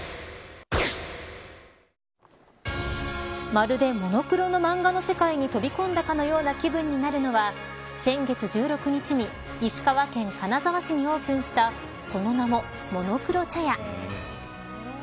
まるでモノクロの漫画の世界に飛び込んだかのような気分になるのは先月１６日に石川県金沢市にオープンしたその名もモノクロＣＨＡＹＡ。